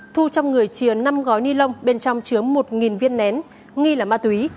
thu trong người chia năm gói ni lông bên trong chứa một viên nén nghi là ma túy